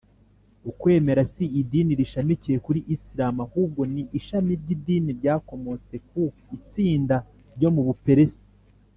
ukwemera si idini rishamikiye kuri isilamu ahubwo ni ishami ry’idini ryakomotse ku itsinda ryo mu buperesi